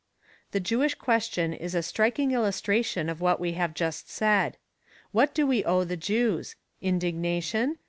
The Jewish question is a striking illustration of what we have just said. What do we owe the Jews? Indignation?